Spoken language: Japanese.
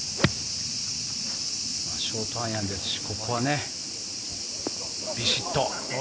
ショートアイアンで、ここはビシッと。